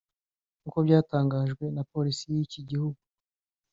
nk’uko byatangajwe na Polisi y’iki gihugu